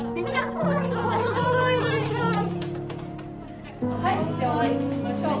はいじゃあ終わりにしましょう。